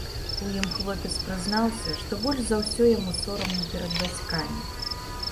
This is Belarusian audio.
У ім хлопец прызнаўся, што больш за ўсё яму сорамна перад бацькамі.